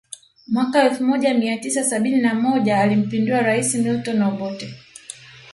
Mwaka elfu moja Mia tisa sabini na moja alimpindua rais Milton Obote